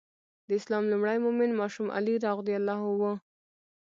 د اسلام لومړی مؤمن ماشوم علي رض و.